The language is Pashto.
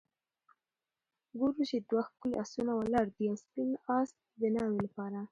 ګورو چې دوه ښکلي آسونه ولاړ دي ، یو سپین آس د ناوې لپاره